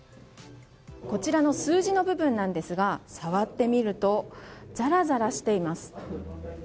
こちらの数字の部分なんですが触ってみるとザラザラしています。